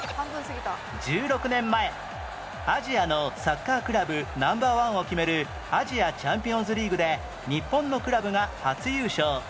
１６年前アジアのサッカークラブナンバーワンを決めるアジアチャンピオンズリーグで日本のクラブが初優勝